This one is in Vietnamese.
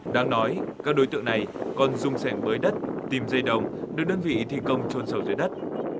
đáng nói các đối tượng này còn dung sẻng bới đất tìm dây đồng được đơn vị thi công trôn sầu dưới đất